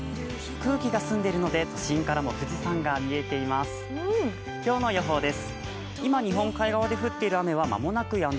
空気が澄んでいるので都心からも富士山が見えています。